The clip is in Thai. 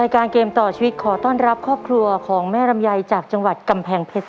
แม่กลับมาช่วยคุณสองคน